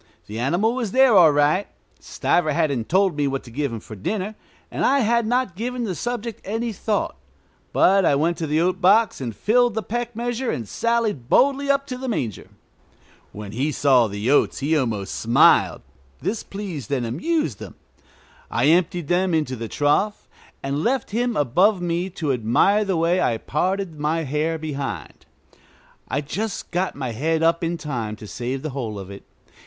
The animal was there all right. Stiver hadn't told me what to give him for dinner, and I had not given the subject any thought; but I went to the oat box and filled the peck measure and sallied boldly up to the manger. When he saw the oats he almost smiled; this pleased and amused him. I emptied them into the trough, and left him above me to admire the way I parted my hair behind. I just got my head up in time to save the whole of it.